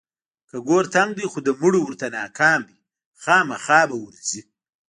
که ګور تنګ دی خو د مړو ورته ناکام دی، خوامخا به ورځي.